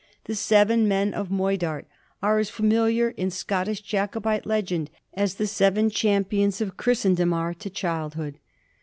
The Seven Men of Moidart are as familiar in Scottish Jacobite legend as the Seven Champions of Christendom are to childhood.